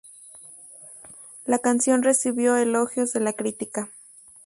La canción recibió elogios de la crítica.